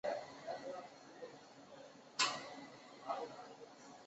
授翰林院编修。